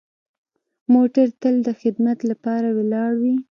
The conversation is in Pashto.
موټر تل د خدمت لپاره ولاړ وي.